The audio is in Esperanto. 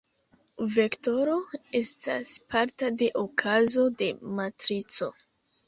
Vektoro estas parta de okazo de matrico.